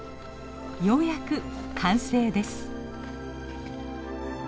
ようやく完成です。